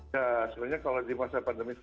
ya sebenarnya kalau di masa pandemi